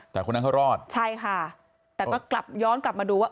แต่คนนั้นเขารอดใช่ค่ะแต่ก็กลับย้อนกลับมาดูว่า